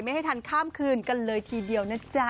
ให้ทันข้ามคืนกันเลยทีเดียวนะจ๊ะ